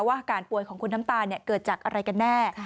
อาการป่วยของคุณน้ำตาลเกิดจากอะไรกันแน่